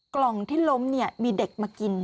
กล่องที่ล้มเนี่ยมีเด็กมากิน